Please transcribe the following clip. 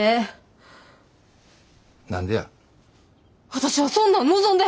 私はそんなん望んでへん！